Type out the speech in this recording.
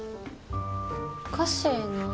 おかしいな。